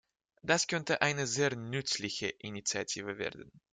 Das könnte eine sehr nützliche Initiative werden.